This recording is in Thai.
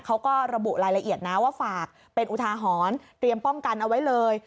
เขาก็ระบุรายละเอียดนะว่าฝากเป็นอุทาหรณ์เตรียมป้องกันเอาไว้เลย